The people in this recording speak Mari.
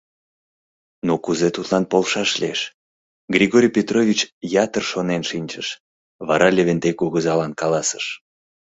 Но кузе тудлан полшаш лиеш?» — Григорий Петрович ятыр шонен шинчыш, вара Левентей кугызалан каласыш: